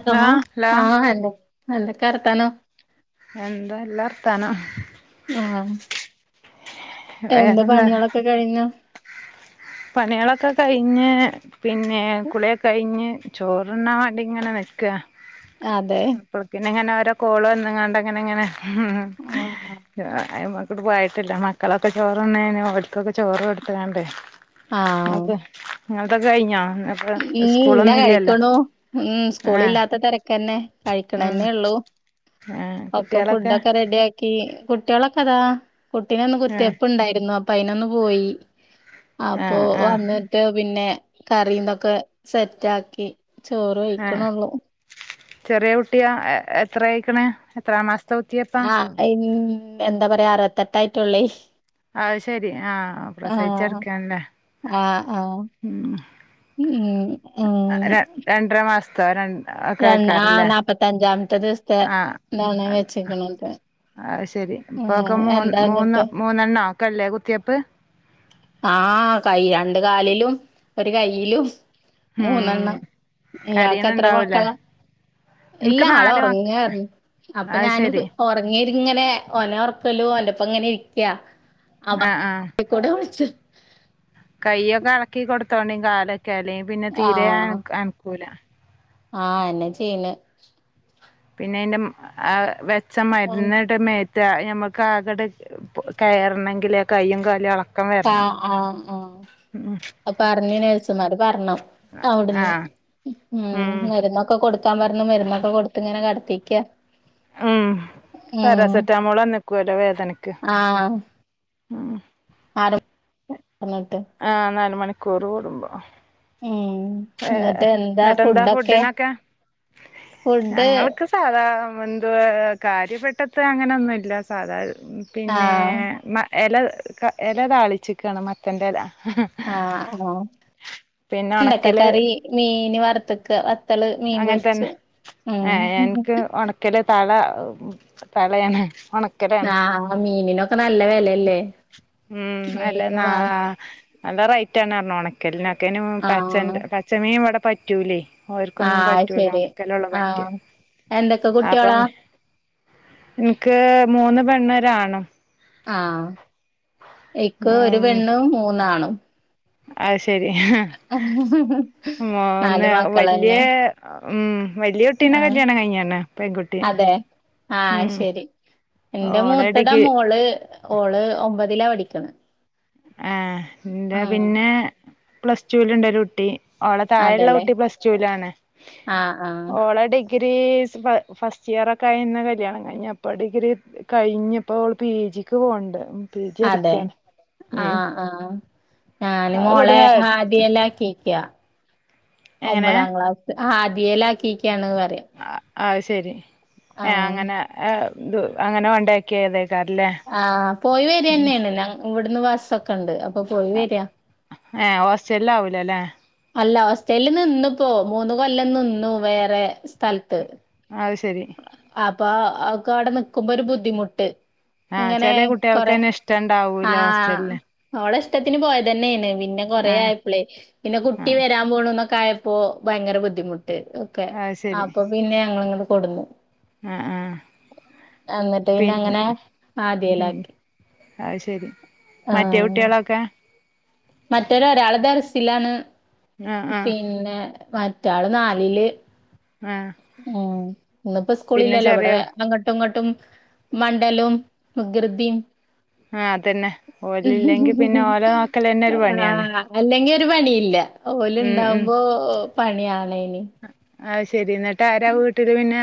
Hello ആഹ് എന്ത എന്തക്കെ വർത്താനം എന്താ എല്ലാ വർത്താനം ഏഹ് എന്താ വേറെന്താ പണികളൊക്കെ കഴിഞ്ഞാ പണികളൊക്കെ കഴിഞ്ഞ് പിന്നെ കുളിയെക്കഴിഞ്ഞ് ചോറ്ണ്ണാൻ വേണ്ടി ഇങ്ങനെ നിക്ക്വാ അതെ അപ്പളത്തേനും ഇങ്ങനെ ഓരോ കോള് വന്നോണ്ടങ്ങനെ ഇങ്ങനെ ഉം ആഹ് അയ്മക്ക് പോയിട്ടില്ല മക്കളൊക്കെ ചോറുണ്ണാണ് അവര്ക്കൊക്കെ ചോറ് കൊടുത്താണ്ടേ ആഹ് അതെ ഇങ്ങളതൊക്കെ കഴിഞ്ഞാ ഉം ഇല്ല കഴിക്കണു ഉം ആഹ് സ്കൂളില്ലാത്ത തെരക്കന്നെ ഉം കഴിക്കണന്നെ ഒള്ളൂ ആഹ് ഒക്കെ കുട്ടികളൊക്കെ ഫുഡൊക്കെ റെഡി ആക്കി കുട്ടികളൊക്കെ അതാ കുട്ടീനിന്ന് ആഹ് കുത്തിവെപ്പ് ഇണ്ടായിരുന്നു അപ്പൊ അയിനൊന്ന് പോയി അപ്പൊ ആഹ് ആഹ് വന്നിട്ട് പിന്നെ കറീംതൊക്കെ സെറ്റാക്കി ചോറ് കഴിക്കണള്ളോ ചെറ്യേ കുട്ടിയാ എത്ര ആയിക്കണ് എത്രാം മാസത്തെ കുത്തിവെപ്പാ? ഉം എന്താ പറയാ അറവത്തെട്ട് ആയിട്ടൊള്ളേ അത് ശെരി ആഹ് പ്രസവിച്ച് കെടക്കാണല്ലേ? ആഹ് ആഹ് ഉം ഉം അങ്ങനെ ര രണ്ടര മാസത്തേ രണ്ട രൺ ആഹ് നാപ്പത്തഞ്ചാമത്തെ ദിവസത്തെ ഇതാണ് വെച്ചക്കണത് ആഹ് ശെരി ഇപ്പൊക്കെ മൂന്ന് മൂന്ന് എന്നിട്ട് മൂന്നെണ്ണോ ഒക്കല്ലേ കുത്തിവെപ്പ് ആഹ് കൈ രണ്ട് കാലേലും ഒരു കൈയിലും ഉം മൂന്നണ്ണം കരീണ് ഇയാക്കെത്ര ണ്ടാവൂലേ മക്കളാ? ഇല്ല ഇൻക്ക് ആള് നാല് മക്ക ഒറങ്ങാർന്നു അപ്പൊ അത് ഞാന് ശരി ഒറങ്ങി ഇങ്ങനെ ഓനെ ഒറക്കലും ഓൻ്റെ ഒപ്പം ഇങ്ങനെ ഇരിക്കാ [unintelligible] കൈയൊക്കെ എളക്കി കൊടുത്തോണ്ടി കാലൊക്കെ അല്ലെങ്കില് പിന്നെ തീരെ എന ക്കൂല ആഹ് അതന്നെ ചെയ്യണ് പിന്നെ അയ്ൻ്റെ ആ വെച്ച മരുന്നിടെ മേ ഞമക്ക് ആകട കെയറണെങ്കില് കയ്യും കാലും എളക്ക് ആഹ് ആഹ് ആഹ് പറഞ്ഞ് നേഴ്സുമാര് പറഞ്ഞു ആ അവിടുന്ന് ഉം ഒക്കെ കൊടുക്കാൻ പറഞ്ഞു മരുന്നൊക്കെ കൊടുത്ത് ഇങ്ങനെ കെടത്തീക്കാ ഉം പാരാസെറ്റാമോള് തന്നേക്കുവല്ലോ വേദനയ്ക്ക് ആഹ് ഉം ആര [unintelligible] പറഞ്ഞിട്ട് ആ നാല് മണിക്കൂർ കൂടുമ്പോ ഉം ഏ എന്നിട്ട് എന്താ ഏട്ടെന്താ ഫുഡൊക്കെ, ഫുഡിനൊക്കെ ഫുഡ് ഞങ്ങൾക്ക് സാധാ. എന്തുവാ. കാര്യപ്പെട്ടത് അങ്ങനെയൊന്നുമില്ല സാധാരണ പിന്നെ ആഹ് ഇല, ഇല താളിച്ചിക്കയാണ് മത്തൻ്റെ ഇല ആഹ് ആഹ് പിന്നെ വെണ്ടയ്ക്ക ഉണക്കല് കറി, മീന് വറുത്തക്ക നത്തല് മീൻ അങ്ങനെ പൊരിച്ച് തന്നെ ഉം. ക്കലെ തള തളയാണ് ക്കലാണ് ആഹ് മീനിനൊക്കെ നല്ല വെലല്ലേ ഉം അല്ല മീന് നാ വ നല്ല റേറ്റ് ആണ് പറഞ്ഞു ഉണക്കലിനൊക്കെന് പച് ആഹ് പച്ചമീൻ ഇവിടെ പറ്റൂലേ ക്ക് ഒന്നും ആഹ് പറ്റൂല ശരി ഒണക്കലുള്ളു പറ്റ് ആഹ് എന്തൊക്കെ അപ്പം കുട്ടിയോളാ എനിക്ക് മൂന്ന് പെണ്ണും ഒരാണും ആഹ് എക്ക് ഒരു ഉം പെണ്ണും മൂന്നാണും അത് ശരി നാല് മൂന്ന് വല്യ മക്കളന്നെ ഉം വല്യയ കുട്ടീന്ന ആഹ് കല്യാണം കഴിഞ്ഞാന്നേ പെൺകുട്ടി അതെ ആഹ് ഉം ശരി എന്റെ ഓളെ മൂത്തതാ ഡിഗ്രി മോള് ഓള് ഒമ്പതിലാ പടിക്കണ് ആഹ് എന്റെ പിന്നെ പ്ലസ്ടൂല് ഉണ്ടൊരുട്ടി ഓളെ താഴള്ള അതെല്ലേ കുട്ടി പ്ലസ് ടുലാണ് ആഹ് ആഹ് ഓളെ ഡി ഡിഗ്രി ഫ ഫസ്റ്റിയർ ഒക്കെ ആയന്ന് കല്യാണം കഴിഞ്ഞ് അപ്പം ഡിഗ്രി കഴിഞ്ഞുപ്പോ ഓള് പി ജിക്ക് പോവുണ്ട് പി ജി അതെ പഠിക്കാണ് ആഹ് ആഹ് ആനി അത് മോളെ ഇവിടുന്ന് ഹാദിയെല്ലാകേക്ക്യാ എങ്ങനെ ഒമ്പതാം ക്ലാസ്സ് ആഹ് ഹാദിയേല് ആക്കിക്കാണ് പറയാ അത്ശെരി ഏഹ് ആഹ് അങ്ങനെ ത് അങ്ങനെ കൊണ്ടാക്കിയേതേക്കാരല്ലേ ആഹ് പോയി വരന്നെയാണ് ഞങ്ങ് ഇവിടുന്ന് ബസ്സൊക്കണ്ട് അപ്പോ പോയി വരാ ഏഹ് ഹോസ്റ്റലിൽ ആവൂലല്ലേ അല്ല ഹോസ്റ്റല് നിന്നുപ്പോ മൂന്ന് കൊല്ലം നിന്നു വേറെ സ്ഥലത്ത് അത്ശരി അപ്പോ അവക്ക് അവിടെ നിക്കുമ്പോ ഒരു ബുദ്ധിമുട്ട് ആഹ് ഇങ്ങനെ ചെല കൊറേ കുട്ടികൾക്കന്നെ ഇഷ്ടണ്ടാവൂല ആഹ് ഹോസ്റ്റലില് ഓളെ ഇഷ്ടത്തിന് പോയതന്നേണ് പിന്നെ കൊറേയാ ആഹ് പ്പൊളെ പിന്നെ കുട്ടി ആഹ് വരാൻ പോണുന്നൊക്ക ആയപ്പോ ഭയങ്കര ബുദ്ധിമുട്ട് ഒക്കെ അത് ശരി അപ്പോ പിന്നെ ഞങ്ങളിങ്ങട് കൊടുന്നു ആഹ് ആഹ് എന്നിട്ട് പിന്നെ അങ്ങനെ ഹാദിയേലാക്കി അത്ശരി ആഹ് മറ്റൊരു ഒരാള് ദർസ്സിലാണ് ആ ആ പിന്നെ മറ്റാള് നാലില് ആ ഉം ഇന്നിപ്പോ പിന്നെ സ്കൂളില്ലല്ലോ ഇവിടെ ചെറിയ അങ്ങട്ട് ഇങ്ങോട്ടും മണ്ടലും വികൃതീം ആ അതന്നെ ഓലില്ലെങ്കി പിന്നെ ഓലെ നോക്കലന്നെ ഒരു പണിയാണ് ആഹ് അല്ലെങ്കിൽ ഒരു പണിയില്ല ഓല് ഉം ഇണ്ടാവുമ്പോ പണിയാണേന് അത്ശരി എന്നിട്ട് ആരാ വീട്ടില് പിന്നെ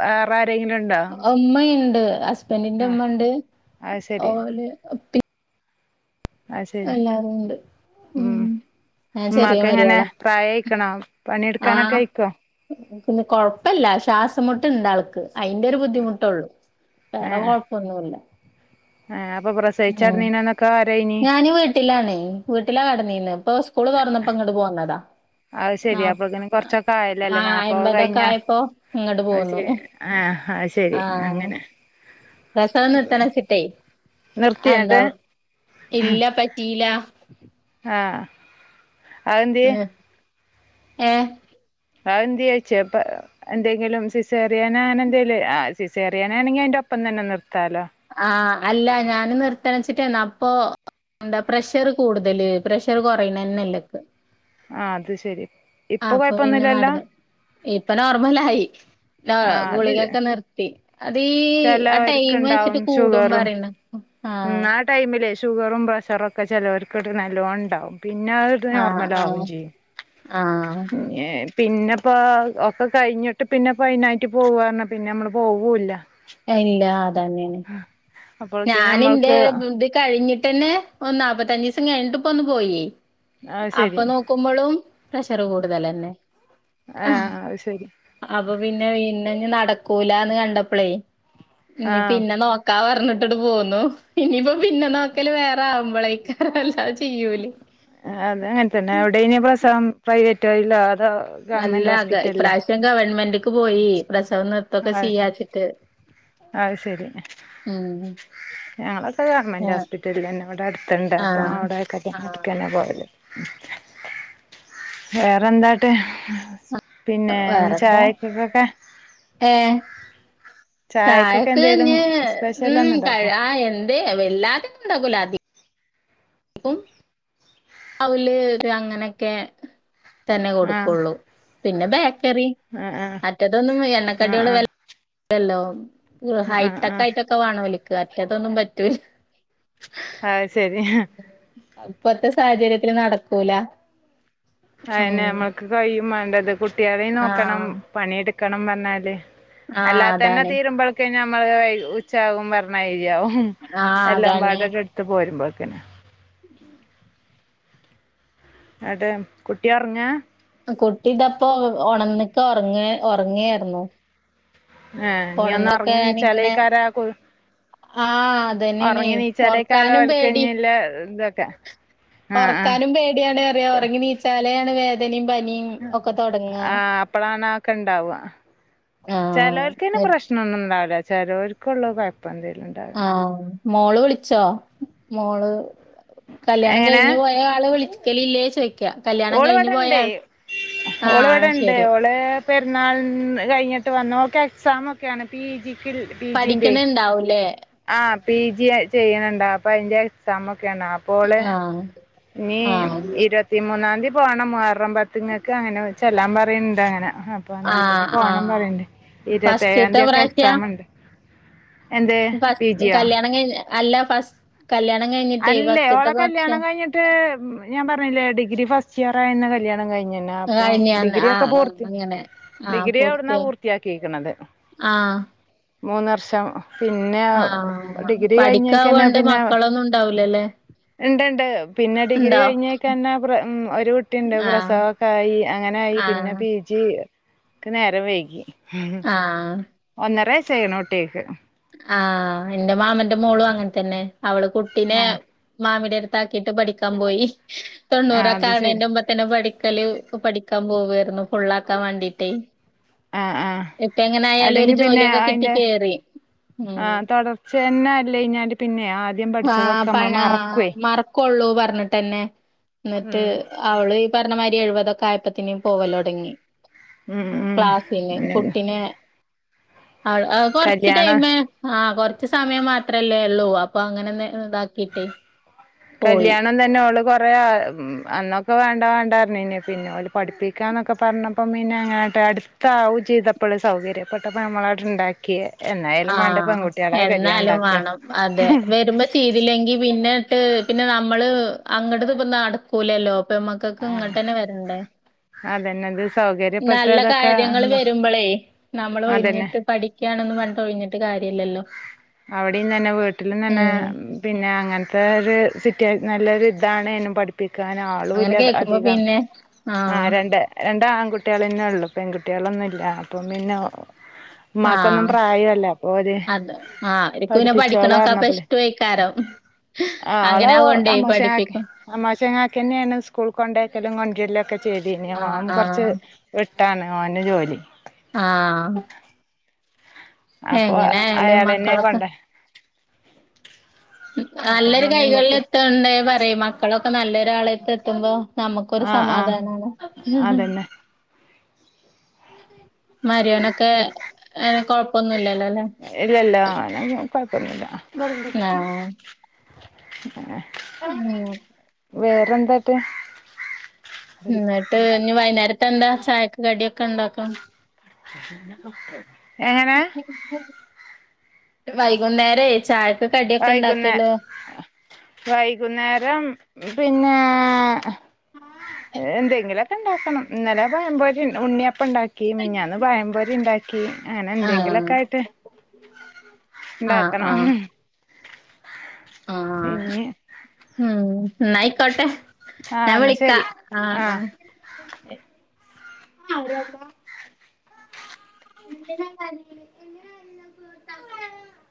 വേറെ ആരെങ്കിലും ഉണ്ടോ ഉമ്മയിണ്ട് ഹസ്ബന്റിന്റെ ആ ഉമ്മണ്ട് അത് ഓര് പി അത്ശരി ഉണ്ട് ഉം ഞാൻ ചെറിയ ഉമ്മാക്കെങ്ങനെ മരിയോളാ പ്രായായിക്ക്ണോ ആ പണിയെടുക്കാനൊക്കെ വെയിക്കുവോ പിന്നെ കൊഴപ്പല്ല ശ്വാസംമുട്ടിണ്ടാൾക്ക് അയിന്റെ ഒരു ബുദ്ധിമുട്ടുള്ളൂ വേറെ കൊഴപ്പൊന്നുല്ല ആഹ് അപ്പോ പ്രസവിച്ചാടീന്നീനന്നൊക്കെ ആരേനീ ഞാന് വീട്ടിലാണേ വീട്ടിലാ കെടന്നീന്ന് ഇപ്പോ സ്കൂള് തൊറന്നപ്പോങ്ങട് പോന്നതാ അത്ശെരി നാ- അപ്പങ്ങനെ കൊറച്ചൊക്കെ ആ ആയിലല്ലേ നാപ്പോക്കെ അമ്പതൊക്കെ കഴിഞ്ഞാ ആയപ്പോ ഇങ്ങോട്ട് പോന്നു അത്ശരി ആഹ് അയ്ശരി ആഹ് അങ്ങനെ പ്രസവം നിർത്തണചിട്ടേ എന്താ നിർത്തിയാട്ട് ഇല്ല പറ്റീലാ ആഹ് അതെന്ത്യേ ഉം ഏഫ് വേറെന്തിയേ [unintelligible] എന്തെങ്കിലും സിസേറിയന് അങ്ങനെന്തേല് ആഹ് സിസേറിയനാണെങ്കി അയിന്റൊപ്പം തന്നെ നിർത്താലോ ആഹ് അല്ല ഞാന് നിർത്തണച്ചിട്ടേനാപ്പോ എന്താ പ്രഷർ കൂടുതല് പ്രഷർ കൊറയ്ണേന്നല്ല ആഹ് അത്ശെരി ഇപ്പോ കൊഴപ്പൊന്നും ഇല്ലല്ലാ ഇപ്പോ നോർമലായി താ ആഹ് അത് ഗുളികൊക്കെ നിർത്തി അതീ ആ ടൈം ചെലോര്ക്ക്ണ്ടാവും വെച്ചിട്ട് കൂടും ഷുഗറും പറയ്ണാ. ഉം ആഹ്. ആ ടൈമിലേ ഷുഗറും പ്രഷറൊക്ക ചെലോർക്ക് ങ്ങട്ട് നല്ലോണ്ടാവും. പിന്നെ അ ത് ആഹ് നോർമലാവും ആഹ് ചെയ്യും. ആഹ് ഏ പിന്നെപ്പോ ഒക്കെ കഴിഞ്ഞിട്ട് പിന്നെപ്പ അയിനായിറ്റ് പോവാർണാ പിന്നെ ഞമ്മള് പോവൂല്ലാ. എഹ്ഇല്ലാ അതന്നേണ് അപ്പോഴത്തേന് ഞാന്ന്റെ നമ്മൾക്ക് ഇത് കഴിഞ്ഞിട്ടെന്നെ ഒന്ന് നാല്പ്പത്തഞ്ചീസം കഴിഞ്ഞിട്ട് ഇപ്പൊന്ന് പോയി. അത് ശരി അപ്പം നോ കുമ്പളും പ്രഷറ് കൂടുതലെന്നെ. ഏഹ് അഹ് ശരി. അപ്പൊ പിന്നെ പിന്നെഞ്ഞ് നടക്കൂലാന്ന് കണ്ടപ്പളേ ഇഞ്ഞ് ആഹ് പിന്നെ നോ ക്കാ പറഞ്ഞിട്ട് ങ്ങട് പോന്നു. ഇനീപ്പോ പിന്നെ നോക്കല് വേറെ ആവുമ്പളേക്കാര അല്ലാതെ ചെയ്യൂലേ. ആഹ് അത് അങ്ങനെ തന്നെ. എവിടെനി പ്രസവം പ്രൈവറ്റോയ്ല്ലോ അതോ അല്ല ഗവൺമെന്റ് ഗ ഹോസ്പിറ്റലിലോ ഇപ്രാവശ്യം ഗവൺമെൻ്റ്ക്ക് പോയി. പ്രസവ നിർത്തൊക്കെ ചെയ്യാ വെച്ചിട്ട്. അഹ് ശരി. ഉം. ഞങ്ങളൊക്കെ ഏ ഗവൺമെന്റ് ഹോസ്പിറ്റൽലെന്നെ. ഇവടെ അടുത്ത്ണ്ട് അപ്പം ആഹ് അവിടെയൊക്കെ തന്നെ ആഹ് അവ്ട്ക്കന്നെ പോവല്. വേറെന്താ ന്ന്ട്ട്? പിന്നെ ഇഞ്ഞ് ചായക്കക്കൊക്കെ? ഏഹ് ചായക്കൊക്കെ ചായക്ക് എന്തേലും ഇഞ്ഞ് സ്പെഷ്യൽ ഒന്നും ഉം ഉണ്ടാക്കോ ആ എ ന്തേ വല്ലാത്യൊന്നുംണ്ടാക്കൂലാ. അധി കും അവല് [unintelligible] അങ്ങനെക്കെ തന്നെ ആഹ് കൊടുക്കൊള്ളൂ പിന്നെ ബേക്കറി. ആഹ് മറ്റതൊന്നും ആഹ് എണ്ണക്കട്യേള് ആഹ് [unintelligible] ആഹ് ആഹ് ഹൈടെക് ആഹ് ആയിട്ടൊ ക്ക വാണം ഓൽക്ക്. മറ്റതൊന്നും പറ്റൂല. ആഹ് ശരി. അത് ഇപ്പത്തെ സാഹചര്യത്തില് നടക്കൂല. അതന്നെ ഉം നമ്മക്ക് കയ്യും മാണ്ടത് കുട്ട്യേളിം നോക്കണം ആഹ് പണിട്ക്കണം പറഞ്ഞാല്. ആഹ് അല്ലാത്തതെന്നെ അതാണ് തീരുമ്പള്ക്ക് ഞമ്മള് ഉച്ചാവും പർഞ്ഞായിരിയാവും. ആഹ് എല്ലതും അതാണ് പാടെ ട് ഇട്ത്ത് പോരുമ്പോക്കിന്. ഇങ്ങട്ട് കുട്ടിയൊർങ്ങാ? അഹ് കുട്ടി ഇതാപ്പൊ ഒണന്ന്ക്ക ഒർങ്ങേ ഒർങ്ങേര്ന്നു. ഏഹ് ഇഞ്ഞ് ഒന്ന് ഒറങ്ങി ഞാനിങ്ങനെ നീച്ചാലേക്കാരാ [unintelligible] ആഹ് അതന്നെണേ ഒർക്കാനും പേടി. ല്ല ഇതൊക്കെ ആഹ് ഒറക്കാനും പേടിയാണ് പറയാ. ആഹ് ഒറങ്ങി നീച്ചാലേണ് വേദനിം പനിം. ആഹ് അപ്പളാണ് അതൊക്കെ ഇണ്ടാവാ. ചെലോൽക്ക് പിന്നെ ആഹ് പ്രശ് ണം ഒന്നുംണ്ടാവൂല. ചെലോർക്കൊള്ളു കൊഴപ്പെന്തേലുംണ്ടാ ആഹ് മോള് വിളിച്ചോ? മോള് കല്യാണം എങ്ങനെ കഴിഞ്ഞു പോ യ ആള് വിളിക്കലില്ലേ ചോയ് ഓള് ഇവെടെണ്ട് ഓള് ആഹ് ഇവെടെണ്ട് ശരി ഓള് പെരുന്നാൾന്ന് കഴിഞ്ഞിട്ടാ വന്ന്. ഓക്ക് എക്സാമൊക്കേണ് പി ജി ക്ക്ൽ പി ജി ൻ്റെ. ണ്ടാവുലേ. ആഹ് പി ജി ചെയ്യ്ണ് ണ്ടാ. അപ്പൊ അയ്ന്റെ എക്സാം ഒക്കെ ആണ്. അ പ്പോള് ആഹ് ഇനീ ആഹ് ഇര് പത്തി മൂന്നാംതി പോണം മുഹറം പത്തിങ്ങക്ക്. അങ്ങനെ ചെല്ലാൻ പറിണ് ണ്ട് അങ്ങനെ. അപ്പ അന്നേക്കൊക്ക് ആഹ് പോകണം ആഹ് പറയണ്ട് ഇരുപത്തി ഏഴാം ഫസ്റ്റ്ത്തെ തീയതി ഒക്കെ പ്രാവശ്യ എക്സാം ഉണ്ട് എന്തേ ഫസ്റ്റ് കല്യാണം കഴിഞ്ഞ് അല്ല ഫസ്റ്റ് കല്യാണം കഴിഞ്ഞിട്ടേ ഫസ്റ്റത്തെ വർഷ ട്ട് ഞാൻ പറഞ്ഞില്ലേ ഡിഗ്രി ഫസ്റ്റ് ഇയർ ആയന്ന് കല്യാണം കഴിഞ്ഞണ് ആഹ് അപ്പം കഴിഞ്ഞന്ന് ഡിഗ്രി ഒക്കെ ആഹ് ആഹ് പൂർത്തി അങ്ങനെ ആഹ് ഡിഗ്രി അവിടുന്ന പൂർത്തിയായി പൂർത്തിയാക്കിക്കണത് ആഹ് മൂന്ന് വർഷം പിന്നെ ഡിഗ്രി കഴിഞ്ഞക്കന്നെ പിന്നെ ഒന്നും ഉണ്ടാവില്ലല്ലേ ഉണ്ടണ്ട് പിന്നെ ഡിഗ്രി കഴിഞ്ഞക്ക തന്നെ ഒരു കുട്ടിയുണ്ട് ആഹ് പ്രസവൊക്ക ആയി അങ്ങനായി പിന്ന ആഹ് പി പിജി ക്ക് നേരം വൈകി ആഹ് ഒന്നര വൈസായിക്കണ് കുട്ടേക്ക് ആ എന്റെ മാമന്റെ മോളും അങ്ങനെ തന്നെ അവള് കുട്ടീനെ ആഹ് മാമിന്റടുത്താക്കിട്ട് പടിക്കാൻ പോയി ആഹ് അത് തൊണ്ണൂറക്കാ ശരി ആകണേന്റെ മുമ്പേ പിന്ന പഠിക്കല് പഠിക്കാൻ പോവായിരുന്നു ഫുള്ളാക്കാൻ വേണ്ടീട്ടേ ആഹ് ആഹ് ഇപ്പ ഇങ്ങനെ ആയാല് ഒരു ജോലിയൊക്കെ കിട്ടി കയറി ആ തുടർച്ചന്നെ അല്ലേയിഞ്ഞാല് പിന്നെ ആ ആ പഴ മറക്കുള്ളൂ പറഞ്ഞിട്ട്ന്നെ എന്നിട്ട് ഉം അവള് പറഞ്ഞമാതിരി എഴുപതൊക്കെ ആയപ്പത്തിന്നേ പോവല് തുടങ്ങി ഉം ഉം ക്ലാസിന് കുട്ടിനെ ആ കൊറച്ച് കല്യാണം ടൈമേ ആ കൊറച്ച സമയം മാത്രല്ലേ ഉള്ളൂ അപ്പൊ അങ്ങനെ ഇതാക്കിട്ടേ പോയി കല്ല്യാണം തന്നെ ഓള് കൊറേ അന്നൊക്കെ വേണ്ട വേണ്ടാപറഞ്ഞിന് ഇന്നെ പിന്നെ ഓല് പഠിപ്പിക്കാന്നൊക്കെ പറഞ്ഞപ്പം പിന്നെ അങ്ങട്ടാടി താ ഊറ്റി ചെയ്തപ്പള് സൗകര്യ പ്പെട്ടപ്പോ നമ്മളവിട്ണ്ടാക്കിയേ ആ എന്നാലും ഇണ്ടാക്ക വേണം അതെ വരുമ്പോ ശീ തില്ലെങ്കി പിന്നെട്ട് പിന്നെ നമ്മള് അങ്ങട്ടത് ഇപ്പ നടക്കൂലല്ലോ പെൺ മക്കൾക്ക് ആഹ് ഇങ്ങട്ടന്നെ വരണ്ടേ അതന്നെ ഇത് നല്ല സൗകര്യപ്പെട്ടതൊക്കെ കാര്യങ്ങള് എന്താ വരുമ്പോളേ നമ്മൾ അതന്നെ ഒഴിഞ്ഞിട്ട് പഠി ക്കാണൊന്ന് പറഞ്ഞിട്ട് ഒഴിഞ്ഞിട്ട് കാര്യല്ലല്ലോ അവിടെയും തന്നെ വീട്ടിലും തന്നെ ഉം പിന്നെ അങ്ങനത്തെ ഒരു സിറ്റുവാ നല്ലൊരു ഇതാണെനു പഠി അങ്ങനെ പ്പിക്കാനാളുല്ല കേക്കുമ്പോ അധികം പിന്നെ ആഹ് ആരാണ്ടെ രണ്ട് ആൺകുട്ടികളെന്നെ ഉള്ളു പെൺകുട്ടികളൊന്നുല്ല അപ്പം പിന്നെ ഉമ്മാക്കൊന്നും പ്രായല്ലേ അപ്പൊ ഓര് ആ അവർക്കു പിന്ന പഠിപ്പിച്ചോളാ പഠിക്കണൊക്കെ അപ്പൊ ഇഷ്ടംമായിക്കാരം ആള അമ്മോശങ്ങാക്കെ അമ്മോശങ്ങാക്കിന്നെയാണ് സ്കൂൾ കൊണ്ടേ ക്കലും കൊഞ്ചലൊക്കെ ചെയ്തീനി ആഹ് ഓൻ കുറച്ച് ആഹ് വിട്ടാണ് ഓന്റെ ജോലി ആഹ് അപ്പൊ എങ്ങനെ ആയാലും അയാളന്നെ മക്കളൊക്കെ കൊണ്ട അപ്പം നല്ലൊരു പിന്നെ കൈകളിൽ നമ്മക്ക് എത്തണ്ടേ പറയും മക്കളൊക്കെ നല്ലൊരാളത്ത് എത്തുമ്പോ നമുക്കൊരു ആഹ് ആഹ് സമാധാനാണ് അതന്നെ മരിയോനൊക്കെ എ കൊഴപ്പൊന്നുല്ലല്ലോ ല്ലേ ഇല്ലല്ല കൊഴപ്പോന്നില്ല ആഹ് മ് വേറെന്താട്ട് എന്നിട്ട് ഇനി വൈകുന്നേരത്തെ എന്താ ചായക്ക് കടിയൊക്കെ ഉണ്ടാക്കൊ എങ്ങനെ ട്ട് വൈകുന്നേരെ ചായക്ക് കടിയൊക്കെ വൈകുന്നേ ഇണ്ടാക്കല് വൈകുന്നേരം പിന്നെ എന്തെങ്കിലൊ ക്കെ ഇണ്ടാക്കണം ഇന്നലെ പഴംപൊരിം ഉണ്ണിയപ്പണ്ടാക്കി മിഞ്ഞാന്ന് പഴംപൊരി ഇണ്ടാ ക്കി അങ്ങനെ ആഹ് എന്തെങ്കിലൊക്കായിട്ട് ആഹ് ഇണ്ടാക്കണം ആഹ് ആഹ് പിന്നെ ഉം എന്നായിക്കോട്ടെ ആ ഞാൻ എന്നാ വിളിക്കാ ശരി ആഹ് ആ ആഹ് ആരിയപ്പ എന്തിനാ